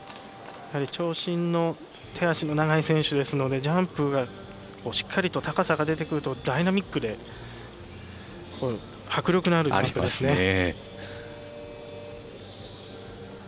長身の手足の長い選手ですのでジャンプしっかりと高さが出てくるとダイナミックで迫力のあるジャンプでしたね。